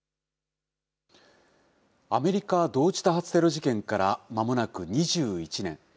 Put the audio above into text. アメリカ同時多発テロ事件からまもなく２１年。